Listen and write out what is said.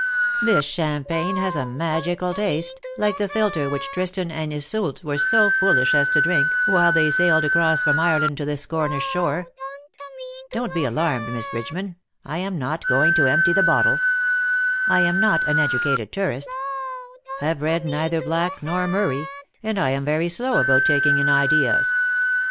This champagne has a magical taste^ like the philter which Tristan and Iseult were so foolish as to drink while they sailed across from Ireland to this Cornish shore. Don't be alarmed, Miss Bridge man, I am not going to empty the bottle. I am not an educated tourist — have read neither Black nor Murray, and I am very slow about taking in ideas.